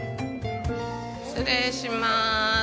失礼しまーす。